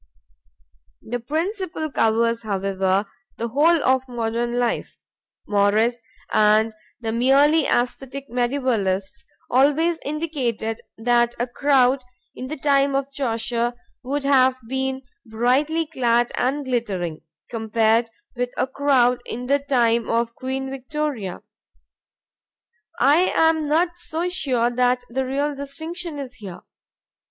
The principle covers, however, the whole of modern life. Morris and the merely aesthetic mediaevalists always indicated that a crowd in the time of Chaucer would have been brightly clad and glittering, compared with a crowd in the time of Queen Victoria. I am not so sure that the real distinction is here.